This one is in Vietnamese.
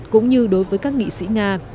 cũng như đối với các nghị sĩ nga